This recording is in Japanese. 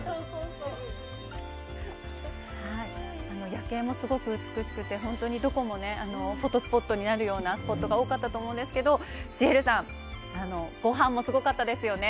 夜景もすごく美しくて、本当にどこもフォトスポットになるようなスポットが多かったと思うんですけど、シエルさん、ごはんもすごかったですよね。